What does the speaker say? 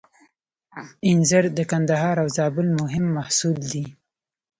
انځر د کندهار او زابل مهم محصول دی.